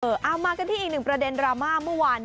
เอามากันที่อีกหนึ่งประเด็นรามา